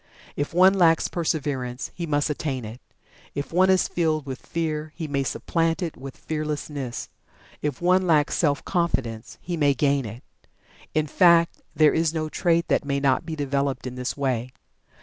If one lacks Perseverance, he may attain it; if one is filled with Fear, he may supplant it with Fearlessness; if one lacks Self confidence, he may gain it. In fact, there is no trait that may not be developed in this way.